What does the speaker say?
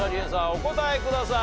お答えください。